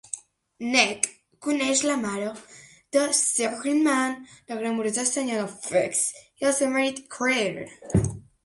Nick coneix la mare de Stringham, la glamurosa senyora Foxe, i el seu marit, Cdr.